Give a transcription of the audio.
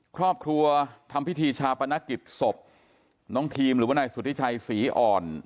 ครอบครัวทำพิธีชาปนกิจศพน้องทีมหรือว่านายสุธิชัยศรีอ่อน